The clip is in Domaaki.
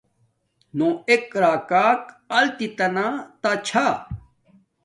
نو ایک راکاک التت تانا چھا